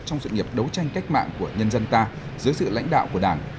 trong sự nghiệp đấu tranh cách mạng của nhân dân ta dưới sự lãnh đạo của đảng